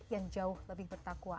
yang jauh lebih bertakwa